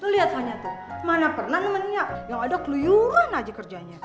lo liat fanya tuh mana pernah nemenin dia yang ada keluyuan aja kerjanya